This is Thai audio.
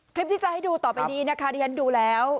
คลิปที่จะให้ดูต่อไปนี้นะคะที่ฉันดูแล้ว